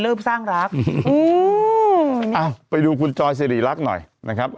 ก็เลยเริ่มสร้างรักอู๋อ่าไปดูคุณจอยซีรีย์รักหน่อยนะครับ